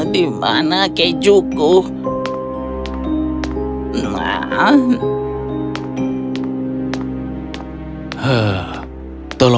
di mana keju